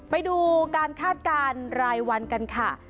ไปดูการคาดการณ์รายวันกันค่ะ